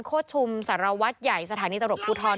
โคชชุมสระวัชยัยสถานีตำรวจพูทร